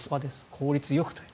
効率よくという。